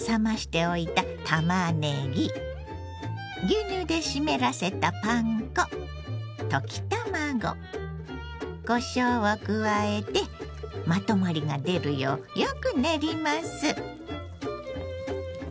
牛乳で湿らせたパン粉溶き卵こしょうを加えてまとまりが出るようよく練ります。